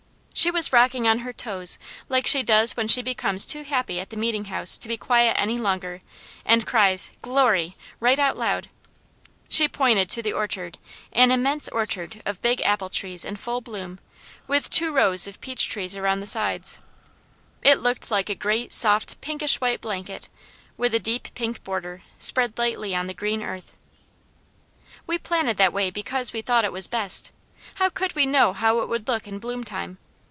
She was rocking on her toes like she does when she becomes too happy at the Meeting House to be quiet any longer, and cries, "Glory!" right out loud. She pointed to the orchard, an immense orchard of big apple trees in full bloom, with two rows of peach trees around the sides. It looked like a great, soft, pinkish white blanket, with a deep pink border, spread lightly on the green earth. "We planted that way because we thought it was best; how could we know how it would look in bloom time?